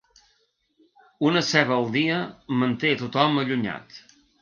Una ceba al dia manté a tothom allunyat.